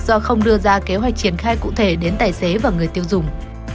do không đưa ra kế hoạch triển khai cụ thể đến tài xế và người tiêu dùng